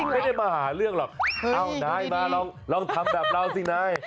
ไม่ได้มาหาเรื่องหรอกเอ้านายมาลองทำแบบเราสินาย